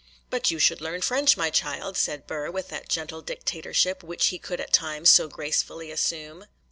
'But you should learn French, my child,' said Burr, with that gentle dictatorship which he could at times so gracefully assume.